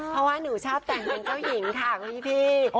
เพราะว่าหนูชอบแต่งเป็นเจ้าหญิงค่ะพี่